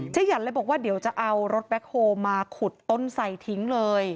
หยันเลยบอกว่าเดี๋ยวจะเอารถแบ็คโฮลมาขุดต้นใส่ทิ้งเลย